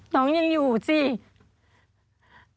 น้องยังอยู่สิ